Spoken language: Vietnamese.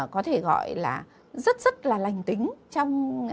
có thể gọi là rất rất là lành tính trong